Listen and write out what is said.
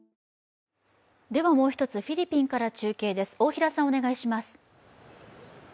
もう一つ、フィリピンから中継です。